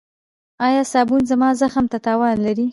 ایا صابون زما زخم ته تاوان لري؟